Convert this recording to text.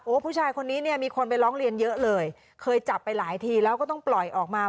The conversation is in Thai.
ผู้ชายคนนี้เนี่ยมีคนไปร้องเรียนเยอะเลยเคยจับไปหลายทีแล้วก็ต้องปล่อยออกมา